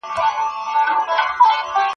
زدهکوونکي د ښوونځي همکاري ستایي.